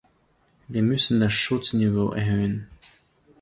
Wir müssen das Schutzniveau erhöhen.